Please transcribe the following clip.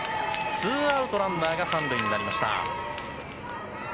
ツーアウトランナーが３塁になりました。